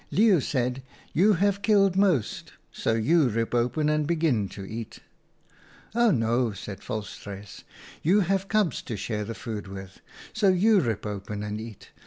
" Leeuw said, ' You have killed most, so you rip open and begin to eat/ u ' Oh no !' said Volstruis, ' you have cubs to share the food with, so you rip open and eat.